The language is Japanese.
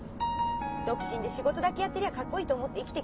独身で仕事だけやってりゃかっこいいと思って生きてきたんだから。